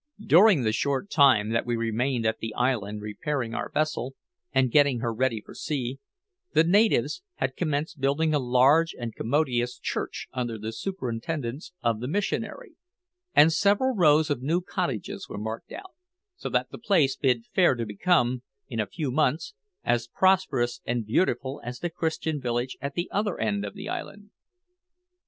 During the short time that we remained at the island repairing our vessel and getting her ready for sea, the natives had commenced building a large and commodious church under the superintendence of the missionary, and several rows of new cottages were marked out; so that the place bid fair to become, in a few months, as prosperous and beautiful as the Christian village at the other end of the island.